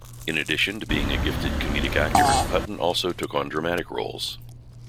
In addition to being a gifted comedic actor, Hutton also took on dramatic roles.